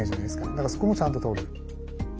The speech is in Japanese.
だからそこもちゃんととる。